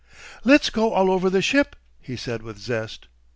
"Let's go all over the ship," he said with zest.